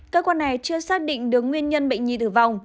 cơ quan này chưa xác định được nguyên nhân bệnh nhi tử vong